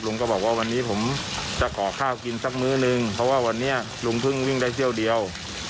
ก็บอกว่าวันนี้ผมจะขอข้าวกินสักมื้อนึงเพราะว่าวันนี้ลุงเพิ่งวิ่งได้เที่ยวเดียว